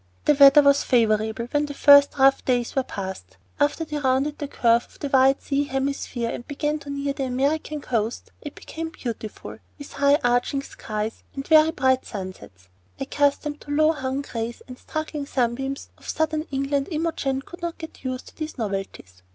The weather was favorable when the first rough days were past, and after they rounded the curve of the wide sea hemisphere and began to near the American coast it became beautiful, with high arching skies and very bright sunsets. Accustomed to the low hung grays and struggling sunbeams of southern England, Imogen could not get used to these novelties.